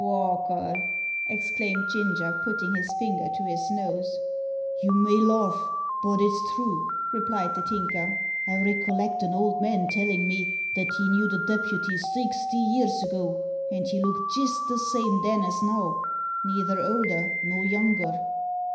"Walker!" exclaimed Ginger, putting his finger to his nose. "You may larf, but it's true," replied the Tinker. "I recollect an old man tellin' me that he knew the deputy sixty years ago, and he looked jist the same then as now, neither older nor younger."